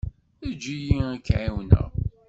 Eǧǧ-iyi ad k-ɛiwneɣ.